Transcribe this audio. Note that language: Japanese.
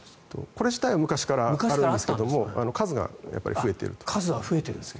これ自体は昔からあるんですが数が増えているということです。